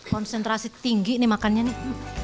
konsentrasi tinggi nih makannya nih